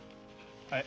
はい。